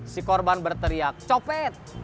si korban berteriak copet